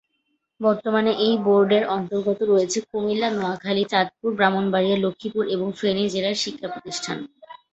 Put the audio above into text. বর্তমানে এই বোর্ড-এর অন্তর্গত রয়েছে কুমিল্লা, নোয়াখালী, চাঁদপুর, ব্রাহ্মণবাড়িয়া, লক্ষ্মীপুর এবং ফেনী জেলার শিক্ষা প্রতিষ্ঠান।